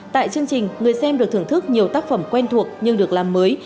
tại chương trình người xem được thưởng thức nhiều tác phẩm quen thuộc nhưng được làm mới